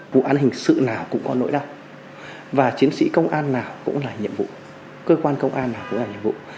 vụ án hình sự nào cũng có nỗi đau và chiến sĩ công an nào cũng là nhiệm vụ cơ quan công an nào cũng làm nhiệm vụ